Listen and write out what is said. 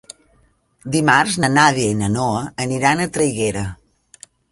Dimarts na Nàdia i na Noa aniran a Traiguera.